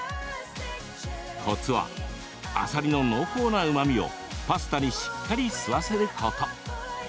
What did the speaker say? コツは、あさりの濃厚なうまみをパスタにしっかり吸わせること。